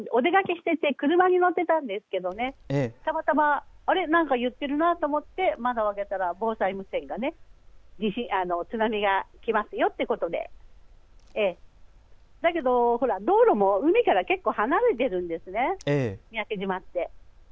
私ちょうどお出かけしていて車に乗っていたんですけれどたまたま何か言っているなと思って窓を開けたら防災無線が津波が来ますよということでだけど道路も海から結構離れているんです、三宅島は。